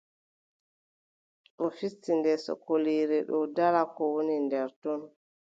Ɗo fisti nder sokoliire ɗo ndaara ko woni nder ton.